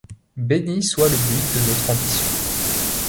Béni soit le but de notre ambition.